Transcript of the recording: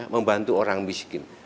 membantu orang miskin